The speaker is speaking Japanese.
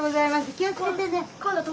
気をつけてね。